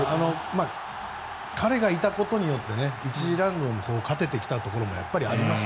彼がいたことによって１次ラウンドで勝ててきたところがやっぱりありました。